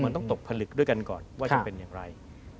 มันต้องตกผลึกด้วยกันก่อนว่าจะเป็นอย่างไร